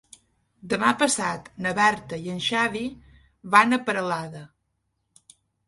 Demà passat na Berta i en Xavi van a Peralada.